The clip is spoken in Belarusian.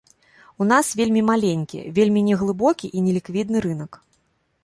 У нас вельмі маленькі, вельмі неглыбокі і неліквідны рынак.